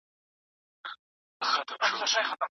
د خوښۍ ساتل د ماشومانو مسؤلیت دی.